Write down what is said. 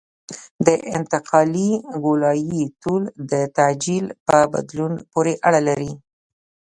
د انتقالي ګولایي طول د تعجیل په بدلون پورې اړه لري